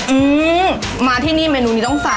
อื้อมาที่นี่เมนูนี้ต้องฝาก